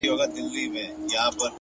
د پوهې خزانه نه کمېږي